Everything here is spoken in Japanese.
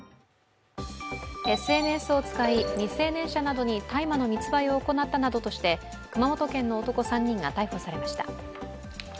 ＳＮＳを使い、未成年者などに大麻の密売を行ったなどとして熊本県の男３人が逮捕されました。